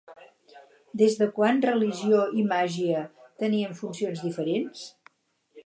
Des de quan religió i màgia tenien funcions diferents?